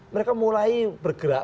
mereka mulai bergerak